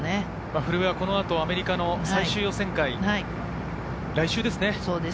古江はこの後のアメリカの最終予選会、来週ですね。